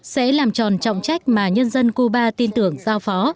sẽ làm tròn trọng trách mà nhân dân cuba tin tưởng giao phó